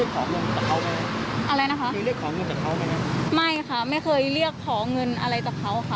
เคยเรียกของเงินจากเขาไหมไม่ค่ะไม่เคยเรียกของเงินอะไรจากเขาค่ะ